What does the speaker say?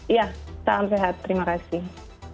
iya salam sehat terima kasih